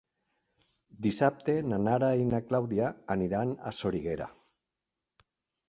Dissabte na Nara i na Clàudia aniran a Soriguera.